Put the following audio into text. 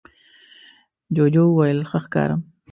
جوجو وویل ښه ښکارم؟